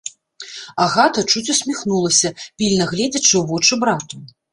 Агата чуць усміхнулася, пільна гледзячы ў вочы брату.